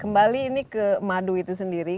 kembali ini ke madu itu sendiri